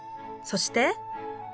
そして。